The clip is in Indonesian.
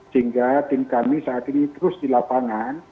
sehingga tim kami saat ini terus di lapangan